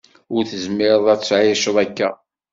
Ur tezmireḍ ad tεiceḍ akka.